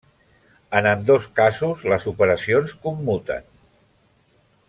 En ambdós casos les operacions commuten.